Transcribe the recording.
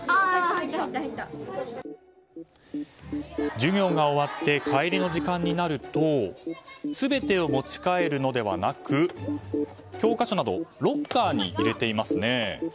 授業が終わって帰りの時間になると全てを持ち帰るのではなく教科書などをロッカーに入れていますね。